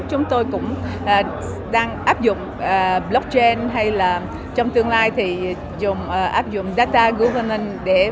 chúng tôi cũng đang áp dụng blockchain hay là trong tương lai thì áp dụng data governance